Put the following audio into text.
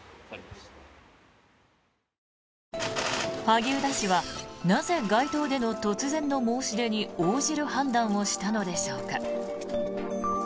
萩生田氏はなぜ街頭での突然の申し出に応じる判断をしたのでしょうか。